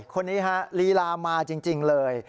คนนี้ฮะลีลามาจริงเลย